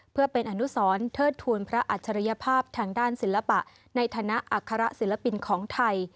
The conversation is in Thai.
เพื่อเป็นอนุสรเทิดทูลพระอัจฉริยภาพทางด้านศิลปะในฐานะอัคระศิลปินของไทย